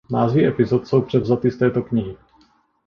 Názvy epizod jsou převzaty z této knihy.